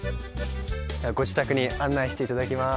ご自宅に案内していただきます